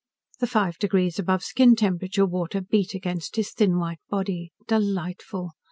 The five degrees above skin temperature water beat against his thin white body. Delightful!